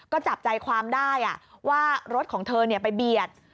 ก็จับใจความได้ว่ารถของเธอไปเบียด